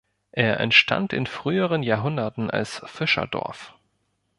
Er entstand in früheren Jahrhunderten als Fischerdorf.